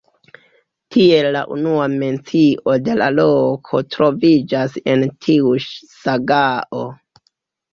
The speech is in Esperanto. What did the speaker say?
Tiel la unua mencio de la loko troviĝas en tiu sagao.